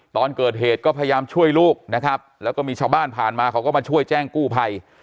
ตอนเกิดเหตุก็พยายามช่วยลูกนะครับแล้วก็มีชาวบ้านผ่านมาเขาก็มาช่วยแจ้งกู้ภัย